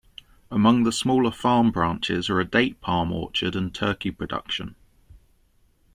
Among the smaller farm branches are a date palm orchard and turkey production.